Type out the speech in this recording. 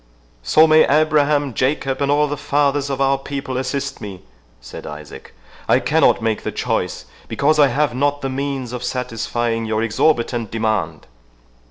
"So may Abraham, Jacob, and all the fathers of our people assist me," said Isaac, "I cannot make the choice, because I have not the means of satisfying your exorbitant demand!"